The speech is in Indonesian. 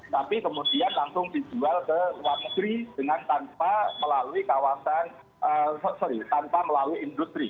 tapi kemudian langsung dijual ke luar negeri tanpa melalui industri